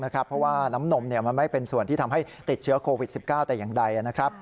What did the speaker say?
เพราะว่าน้ำนมมันไม่เป็นส่วนที่ทำให้ติดเชื้อโควิด๑๙แต่อย่างใดนะครับ